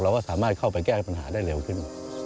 เราก็สามารถเข้าไปแก้ปัญหาได้เร็วขึ้น